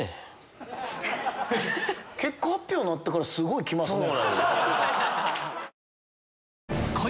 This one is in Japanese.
結果発表になってからすごい来ますね。